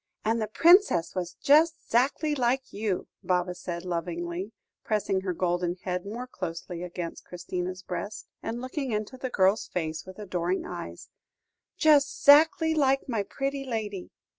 "And the Princess was just 'zactly like you," Baba said lovingly, pressing her golden head more closely against Christina's breast, and looking into the girl's face with adoring eyes, "just 'zactly like my pretty lady."